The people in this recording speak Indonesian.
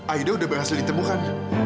aida udah berhasil ditemukan